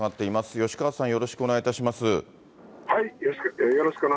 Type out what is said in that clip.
吉川さん、よろしくお願いします。